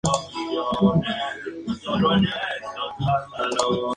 En ella se encuentra el centro histórico y centro de negocios.